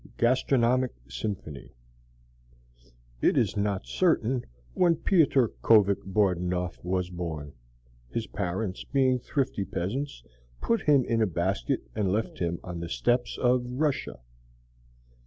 Gastronomic Symphony. It is not certain when Ptior Kovik Bordunov was born. His parents, being thrifty peasants, put him in a basket and left him on the steppes of Russia.